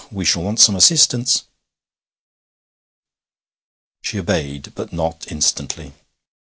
We shall want some asseestance.' She obeyed, but not instantly.